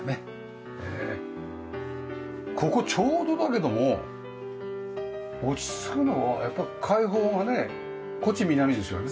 ここちょうどだけども落ち着くのはやっぱ開放がねこっち南ですよね。